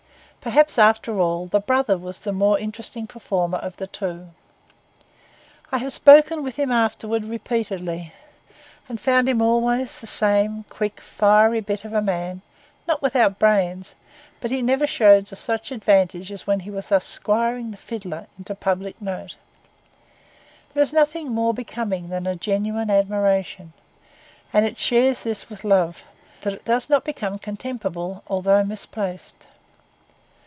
Perhaps, after all, the brother was the more interesting performer of the two. I have spoken with him afterwards repeatedly, and found him always the same quick, fiery bit of a man, not without brains; but he never showed to such advantage as when he was thus squiring the fiddler into public note. There is nothing more becoming than a genuine admiration; and it shares this with love, that it does not become contemptible although misplaced.